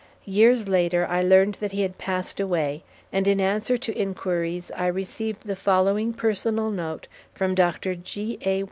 Years later, I learned that he had passed away; and in answer to inquiries I received the following personal note from Dr. G.A.